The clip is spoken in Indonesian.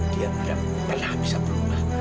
dia tidak pernah bisa berubah